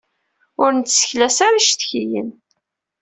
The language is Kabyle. Ur nesseklas ara icetkiyen.